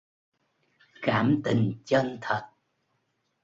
Cảm tình chân thật